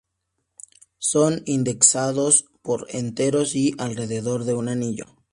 Son "indexados" por enteros i alrededor de un anillo.